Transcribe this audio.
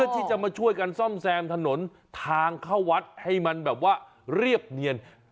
ที่จะมาช่วยกันซ่อมแซมถนนทางเข้าวัดให้มันแบบว่าเรียบเนียน